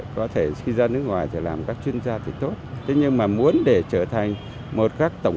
có thể đi ra nước ngoài thì làm các chuyên gia thì tốt thế nhưng mà muốn để trở thành một các tổng